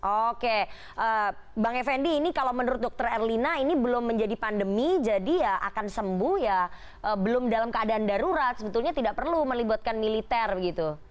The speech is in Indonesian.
oke bang effendi ini kalau menurut dokter erlina ini belum menjadi pandemi jadi ya akan sembuh ya belum dalam keadaan darurat sebetulnya tidak perlu melibatkan militer begitu